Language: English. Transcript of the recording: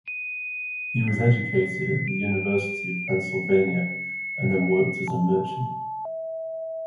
He was educated at the University of Pennsylvania, and then worked as a merchant.